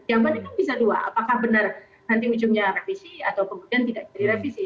jawaban itu bisa dua apakah benar nanti ujungnya revisi atau kemudian tidak jadi revisi